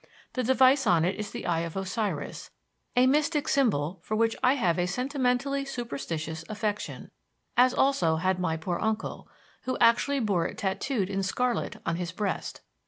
The device on it is the Eye of Osiris, a mystic symbol for which I have a sentimentally superstitious affection, as also had my poor uncle, who actually bore it tattooed in scarlet on his breast.